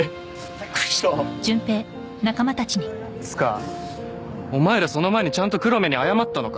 びっくりしたつうかお前らその前にちゃんと黒目に謝ったのか？